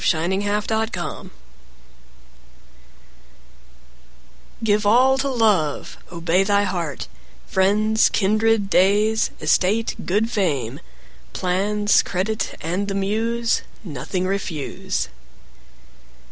Give All to Love GIVE all to love; Obey thy heart; Friends, kindred, days, Estate, good fame, Plans, credit, and the Muse— 5 Nothing refuse.